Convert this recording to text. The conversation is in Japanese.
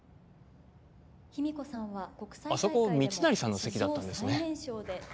あそこ密成さんの席だったんですね。